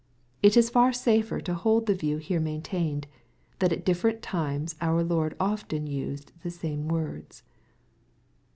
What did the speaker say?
It is far safer to hold the view here maintained, that at differ ent times our Lord often used the same words.